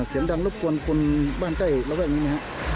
เสียงดังรบกวนคนบ้านใกล้ระแวกนี้ไหมครับ